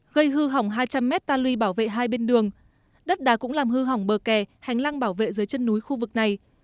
gây hư hỏng hai trăm linh mét ta luy bảo vệ hai bên đường đất đá cũng làm hư hỏng bờ kè hành lang bảo vệ dưới chân núi khu vực này